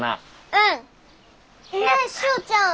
うん！ねえしおちゃん